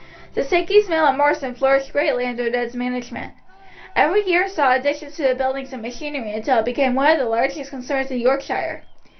The Sankeys' mill at Marsden flourished greatly under Ned's management. Every year saw additions to the buildings and machinery until it became one of the largest concerns in Yorkshire.